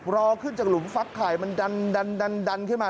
รอขึ้นจากหลุมฟักไข่มันดันขึ้นมา